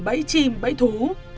bẫy chim bẫy thú